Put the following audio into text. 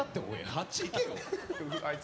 あっち行けよ！